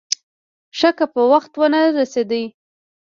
ښه که په وخت ونه رسېدې.